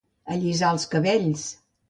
Allisar els cabells.